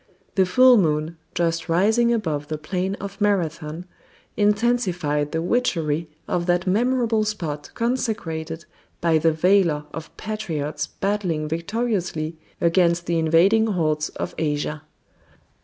The full moon, just rising above the plain of Marathon, intensified the witchery of that memorable spot consecrated by the valor of patriots battling victoriously against the invading hordes of Asia.